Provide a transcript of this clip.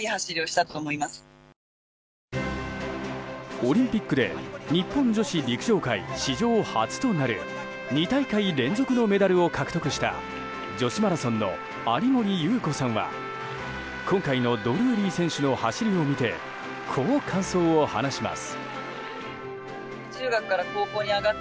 オリンピックで日本女子陸上界史上初となる２大会連続のメダルを獲得した女子マラソンの有森裕子さんは今回のドルーリー選手の走りを見てこう感想を話します。